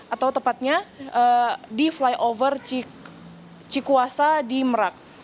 atau tepatnya di flyover cikuasa di merak